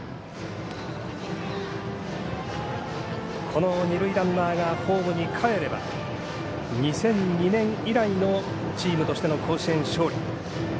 この二塁ランナーがホームにかえれば２００２年以来のチームとしての甲子園勝利。